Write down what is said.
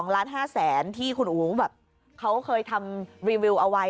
๒ล้าน๕แสนที่คุณอู๋แบบเขาเคยทำรีวิวเอาไว้